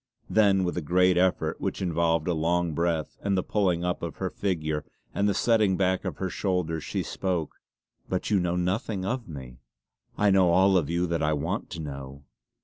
Then with a great effort, which involved a long breath and the pulling up of her figure and the setting back of her shoulders, she spoke: "But you know nothing of me!" "I know all of you that I want to know!"